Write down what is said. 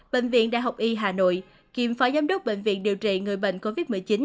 bệnh viện đại học y hà nội kiêm phó giám đốc bệnh viện điều trị người bệnh covid một mươi chín